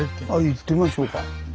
行ってみましょうか。